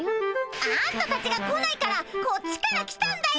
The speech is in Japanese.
あんたたちが来ないからこっちから来たんだよっ！